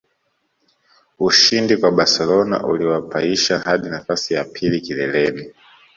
Ushindi kwa Barcelona uliwapaisha hadi nafasi ya pili kileleni